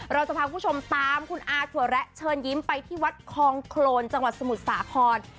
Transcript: เราจะพาคุณผู้ชมตามคุณอาถั่วแระเชิญยิ้มไปที่วัดคลองโครนจังหวัดสมุทรสาคร